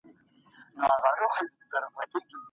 د هډوکو ماتیدل څنګه رغیږي؟